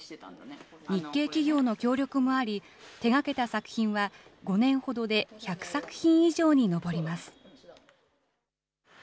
日系企業の協力もあり、手がけた作品は５年ほどで１００作品以上に上ります。